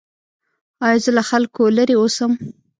ایا زه له خلکو لرې اوسم؟